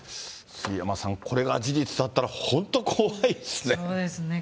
杉山さん、これが事実だったら本当、怖いっすね。